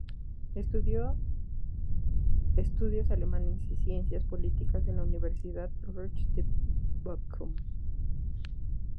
Estudió Estudios Alemanes y Ciencias Políticas en la Universidad Ruhr de Bochum.